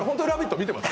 見てます？